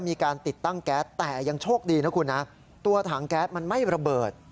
เมื่อเมื่อเมื่อเมื่อ